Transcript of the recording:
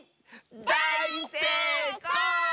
だいせいこう！